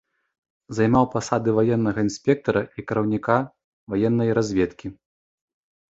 Займаў пасады ваеннага інспектара і кіраўніка ваеннай разведкі.